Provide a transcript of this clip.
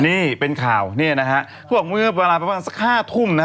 นี่เป็นข่าวนี่นะฮะเพราะว่าเมื่อเวลาประมาณสัก๕ทุ่มนะฮะ